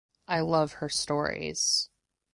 I love her stories.